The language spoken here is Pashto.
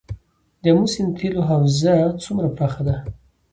د امو سیند تیلو حوزه څومره پراخه ده؟